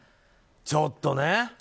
ちょっとね。